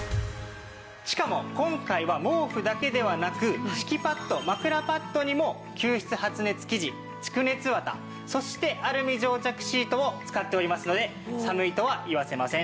しかも今回は毛布だけではなく敷きパッド・枕パッドにも吸湿発熱生地蓄熱綿そしてアルミ蒸着シートを使っておりますので寒いとは言わせません。